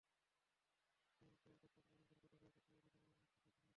Fair election working গ্রুপের নির্বাহী পরিচালক আলীমুজ্জামানের মুখ থেকে শোনা এটি।